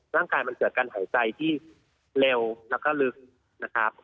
ร่างกายมันเกิดการหายใจที่เร็วและก็ลึก